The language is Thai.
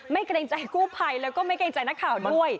เกรงใจกู้ภัยแล้วก็ไม่เกรงใจนักข่าวด้วย